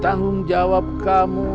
tanggung jawab kamu